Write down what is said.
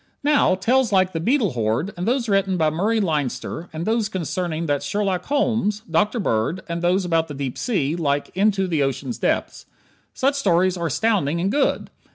Now, tales like "The Beetle Horde," and those written by Murray Leinster, and those concerning that Sherlock Holmes, Dr. Bird, and those about the deep sea, like "Into the Ocean's Depths," such stories are astounding, and good.